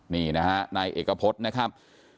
นี่นะฮะนายเอกพฤษนะครับ